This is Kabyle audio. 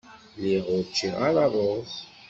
Lliɣ ur ččiɣ ara rruẓ.